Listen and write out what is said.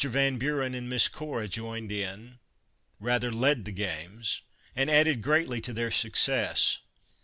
Van Buren and Miss Cora joined in, rather led the games, and added greatly to their suc cess.